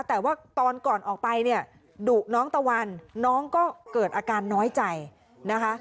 แต่ว่าตอนก่อนออกไปเนี่ยดุน้องตะวันน้องก็เกิดอาการน้อยใจนะคะ